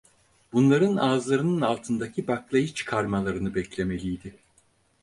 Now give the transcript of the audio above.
Bunların ağızlarının altındaki baklayı çıkarmalarını beklemeliydi.